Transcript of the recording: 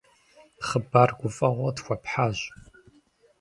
Хъыбар гуфӀэгъуэ къытхуэпхьащ.